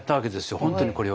本当にこれは。